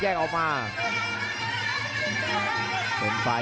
สตานท์ภพล็อกนายเกียรติป้องยุทเทียร์